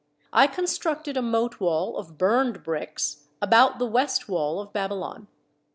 I con structed a moat wall of burned bricks about the west wall of Babylon.